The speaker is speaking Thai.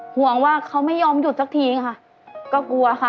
ห่วงว่าเขาไม่ยอมหยุดสักทีค่ะก็กลัวค่ะ